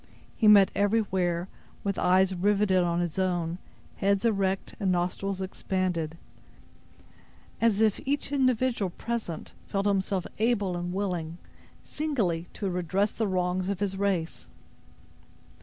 He met everywhere, with eyes riveted on his own, heads erect and nostrils expanded, as if each individual present felt himself able and willing, singly, to redress the wrongs of his race.